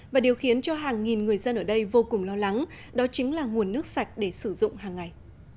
và điều khiến cho hàng nghìn người dân ở đây vô cùng lo lắng đó chính là nguồn nước sạch để sử dụng hàng ngày